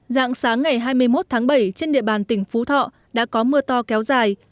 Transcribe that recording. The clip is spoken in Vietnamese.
dạng sáng ngày hai mươi một tháng bảy trên địa bàn tỉnh phú thọ đã có mưa to kéo dài